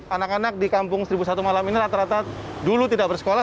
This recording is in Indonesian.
anak anak di kampung seribu satu malam ini rata rata dulu tidak bersekolah